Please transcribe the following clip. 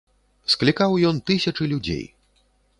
Склікаў ён тысячы людзей.